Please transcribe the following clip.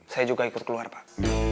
saya juga ikut keluar pak